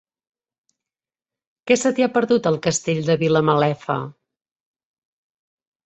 Què se t'hi ha perdut, al Castell de Vilamalefa?